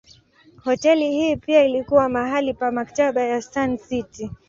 Hoteli hii pia ilikuwa mahali pa Mkataba wa Sun City.